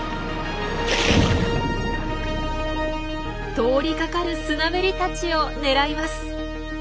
通りかかるスナメリたちを狙います。